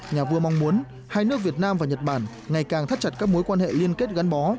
nhà vua mong muốn hai nước việt nam và nhật bản ngày càng thắt chặt các mối quan hệ liên kết gắn bó